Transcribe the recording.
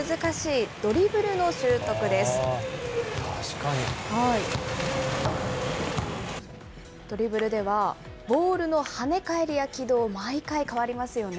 ドリブルでは、ボールの跳ね返りや軌道、毎回変わりますよね。